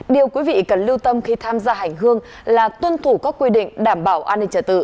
điều quý vị cần lưu tâm khi tham gia hành hương là tuân thủ các quy định đảm bảo an ninh trả tự